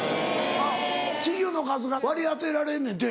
稚魚の数が割り当てられんねんて。